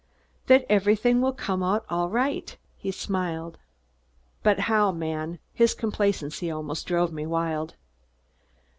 "That everything will come out all right," he smiled. "But how, man?" His complacency almost drove me wild.